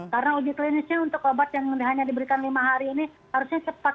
karena uji klinisnya untuk obat yang hanya diberikan lima hari ini harusnya cepat